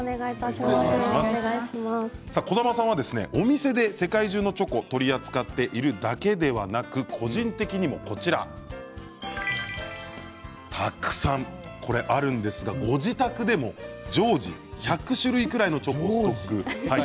児玉さんはお店で世界中のチョコを取り扱っているだけでなく個人的にもたくさんあるんですがご自宅でも常時１００種類くらいのチョコをストック。